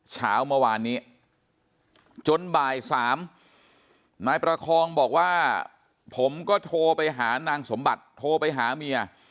เช้าเมื่อวานนี้จนบ่าย๓นายประคองบอกว่าผมก็โทรไปหานางสมบัติโทรไปหาเมีย